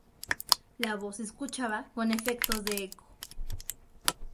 La voz se escuchaba con efectos de eco.